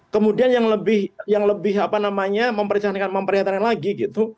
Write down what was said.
kemudian yang lebih memperhatikan lagi gitu